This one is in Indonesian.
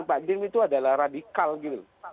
apa yang dilakukan pak adil itu adalah radikal gitu